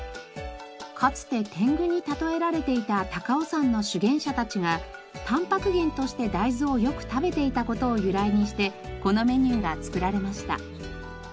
かつて天狗に例えられていた高尾山の修験者たちがたんぱく源として大豆をよく食べていた事を由来にしてこのメニューが作られました。